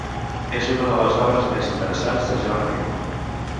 És una de les obres més interessants de Joan Amigó.